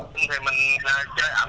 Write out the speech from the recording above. thì mình chơi ẩm thì mình cũng